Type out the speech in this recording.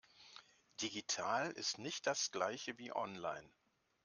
Digital ist nicht das Gleiche wie online.